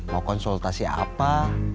mau konsultasi apa